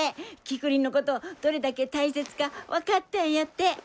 キクリンのことどれだけ大切か分かったんやって！